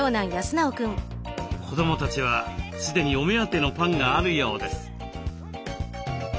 子どもたちはすでにお目当てのパンがあるようです。